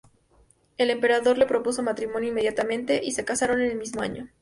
El emperador le propuso matrimonio inmediatamente y se casaron en el mismo año.